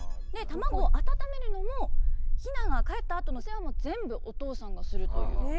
卵を温めるのもヒナがかえったあとのお世話も全部お父さんがするという。